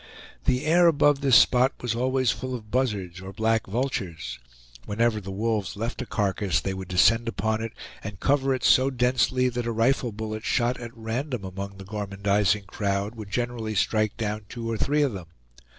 The air above this spot was always full of buzzards or black vultures; whenever the wolves left a carcass they would descend upon it, and cover it so densely that a rifle bullet shot at random among the gormandizing crowd would generally strike down two or three of them.